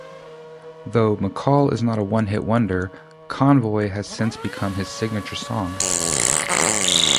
Though McCall is not a one-hit wonder, "Convoy" has since become his signature song.